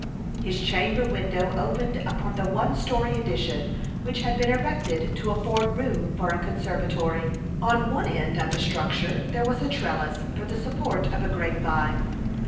His chamber window opened upon the one story addition which had been erected to afford room for a conservatory. On one end of the structure there was a trellis for the support of a grape vine.